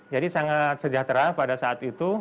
jadi sangat sejahtera pada saat itu